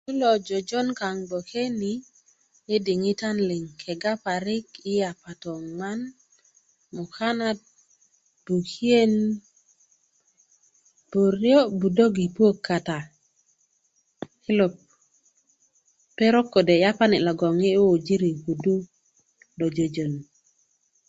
ud lo jojon parik kaŋ i bgwoke ni i diŋitan liŋ kega parik i yapato nŋwan mukanat bukiyen burio' budök i puök kata kilo' perok kode yapani logwon yi wuji kudu lo jojon